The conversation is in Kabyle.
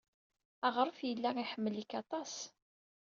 Aɣref yella iḥemmel-ik aṭas.